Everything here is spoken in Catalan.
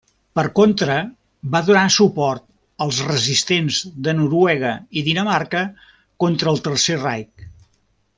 Per contra, va donar suport als resistents de Noruega i Dinamarca contra el Tercer Reich.